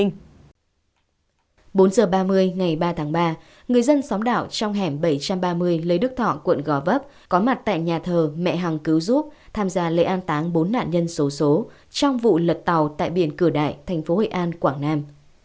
bốn h ba mươi ngày ba tháng ba người dân xóm đảo trong hẻm bảy trăm ba mươi lê đức thọ quận gò vấp có mặt tại nhà thờ mẹ hằng cứu giúp tham gia lễ an táng bốn nạn nhân số số trong vụ lật tàu tại biển cửa đại tp hcm